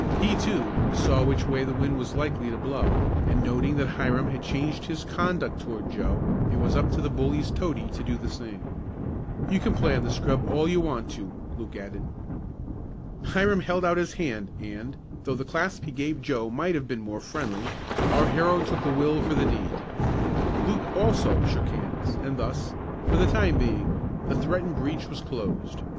He, too, saw which way the wind was likely to blow, and noting that Hiram had changed his conduct toward Joe it was up to the bully's toady to do the same. "You can play on the scrub all you want to," Luke added. Hiram held out his hand and, though the clasp he gave Joe might have been more friendly, our hero took the will for the deed. Luke, also, shook hands, and thus, for the time being, the threatened breach was closed.